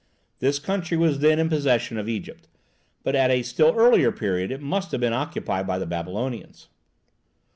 This country was then in possession of Egypt, but at a still earlier period it must have been occupied by the Babylonians.